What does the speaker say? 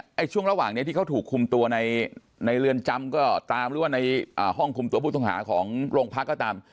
ช่วงระหว่างนี้ที่เขาถูกคุมตัวในเรือนจำก็ตามหรือว่าในห้องคุมตัวผู้ต้องหาของโรงพักก็ตาม